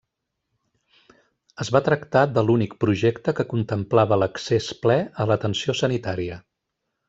Es va tractar de l'únic projecte que contemplava l'accés ple a l'atenció sanitària.